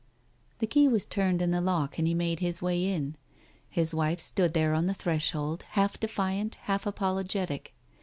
The key was turned in the lock, and he made his way in. His wife stood there on the threshold, half defiant, half apologetic.